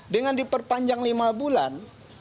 dengan diperpanjang lima bulan